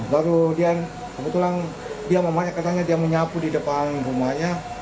baru dia kebetulan dia katanya dia menyapu di depan rumahnya